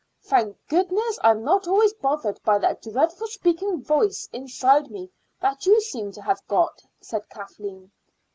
"Thank goodness I'm not always bothered by that dreadful speaking voice inside me that you seem to have got," said Kathleen.